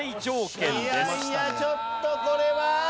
いやいやちょっとこれは！